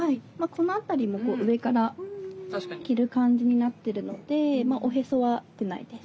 この辺りも上から着る感じになってるのでおへそは出ないです。